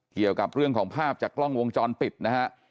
เกี่ยวกับเรื่องของภาพจากกล้องวงจรปิดนะฮะ